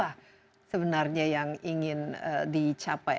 apa yang sebenarnya ingin dicapai